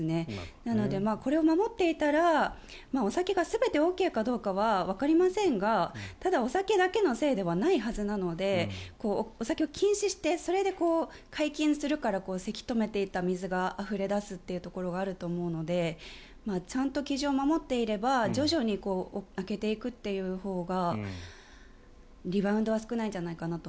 なので、これを守っていたらお酒が全てＯＫかどうかはわかりませんがただ、お酒だけのせいではないはずなのでお酒を禁止してそれで解禁するからせき止めていた水があふれ出すっていうところがあると思うのでちゃんと基準を守っていれば徐々に開けていくというほうがリバウンドは少ないんじゃないかなと。